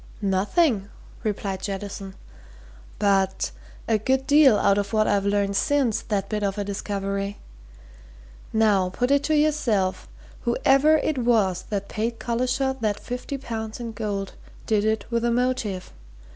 "Nothing," replied Jettison. "But a good deal out of what I've learned since that bit of a discovery. Now, put it to yourself whoever it was that paid Collishaw that fifty pounds in gold did it with a motive.